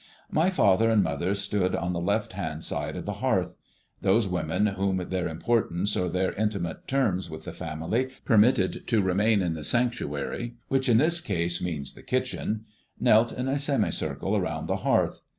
My father and mother stood on the left hand side of the hearth. Those women whom their importance or their intimate terms with the family permitted to remain in the sanctuary, which in this case means the kitchen, knelt in a semi circle around the hearth.